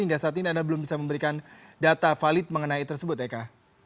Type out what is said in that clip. hingga saat ini anda belum bisa memberikan data valid mengenai tersebut eka